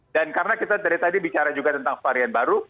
dan karena kita dari tadi bicara juga tentang varian baru